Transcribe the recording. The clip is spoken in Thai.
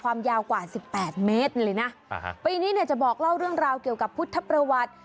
ความยาวกว่าสิบแปดเมตรเลยนะปีนี้เนี่ยจะบอกเล่าเรื่องราวเกี่ยวกับพุทธประวัติ